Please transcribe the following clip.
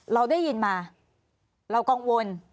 เราได้ยินมาเรากังวล